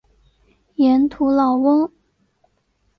盐土老翁。